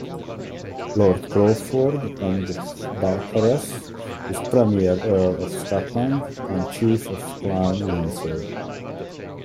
Lord Crawford and Balcarres is Premier Earl of Scotland and Chief of Clan Lindsay.